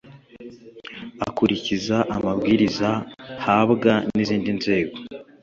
Akurikiza amabwiriza habwa n’ izindi nzego